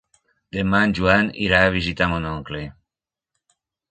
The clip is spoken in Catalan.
Demà en Joan irà a visitar mon oncle.